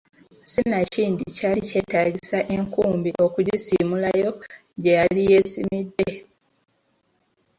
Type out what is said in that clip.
Sinakindi kyali kyetaagisa enkumbi okugisimulayo gye yali yeesimidde!